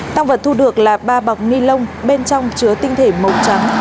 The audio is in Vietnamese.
tăng vật thu được là ba bọc ni lông bên trong chứa tinh thể màu trắng